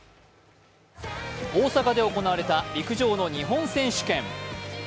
大阪で行われた陸上の日本選手権。